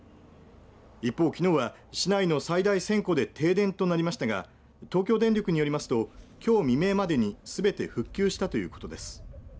一方きのうは市内の最大１０００戸で停電となりましたが東京電力によりますときょう未明までにすべて復旧したということです。